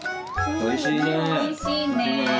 おいしいね。